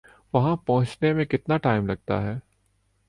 وہاں پہنچنے میں کتنا ٹائم لگتا ہے؟